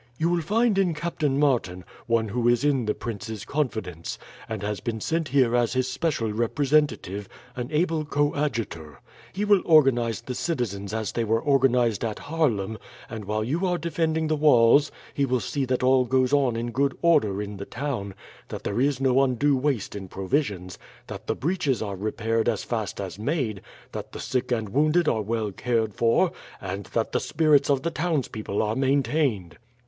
"You will find in Captain Martin, one who is in the prince's confidence, and has been sent here as his special representative, an able coadjutor. He will organize the citizens as they were organized at Haarlem; and while you are defending the walls he will see that all goes on in good order in the town, that there is no undue waste in provisions, that the breaches are repaired as fast as made, that the sick and wounded are well cared for, and that the spirits of the townspeople are maintained."